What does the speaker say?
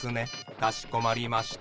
かしこまりました。